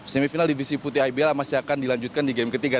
semifinal divisi putih ibl masih akan dilanjutkan di game ketiga